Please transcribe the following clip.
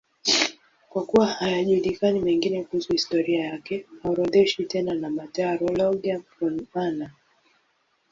Kwa kuwa hayajulikani mengine kuhusu historia yake, haorodheshwi tena na Martyrologium Romanum.